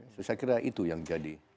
saya kira itu yang jadi